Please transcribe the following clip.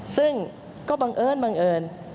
ซึ่งก็บังเอิญบังเอิญ